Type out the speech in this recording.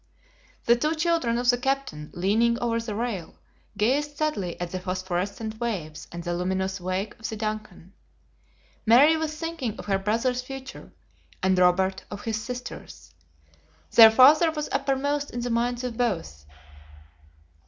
The two children of the captain, leaning over the rail, gazed sadly at the phosphorescent waves and the luminous wake of the DUNCAN. Mary was thinking of her brother's future, and Robert of his sister's. Their father was uppermost in the minds of both.